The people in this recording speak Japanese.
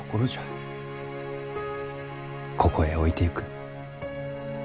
ここへ置いてゆく。